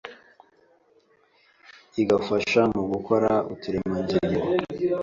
Igafasha mu gukora uturemangingo